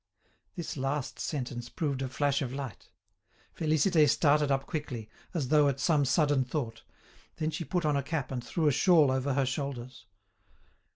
This last sentence proved a flash of light. Félicité started up quickly, as though at some sudden thought. Then she put on a cap and threw a shawl over her shoulders.